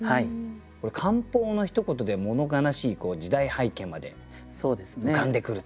これ「艦砲」のひと言で物悲しい時代背景まで浮かんでくるということですね。